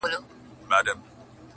هم پلرونه هم مو وړونه هم خپلوان دي،